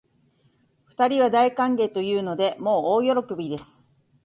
二人は大歓迎というので、もう大喜びです